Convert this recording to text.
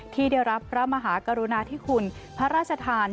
ที่ได้รับพระมหากรุณาธิคุณพระราชทาน